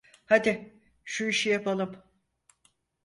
Hadi şu işi yapalım.